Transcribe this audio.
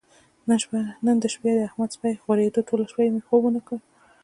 نن د شپې د احمد سپی غورېدو ټوله شپه یې مې خوب ونه کړ.